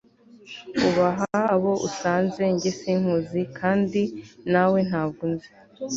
ubaha abo usanze njye sinkuzi kandi nawe ntabwo unzi